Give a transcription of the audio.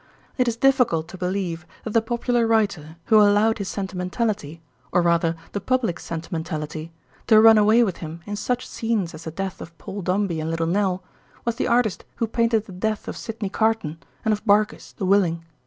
It is difficult to believe that the popular writer who allowed his sentimentality—or rather the public's sentimentality—to run away with him in such scenes as the death of Paul Dombey and Little Nell was the artist who painted the death of Sidney Carton and of Barkis, the willing.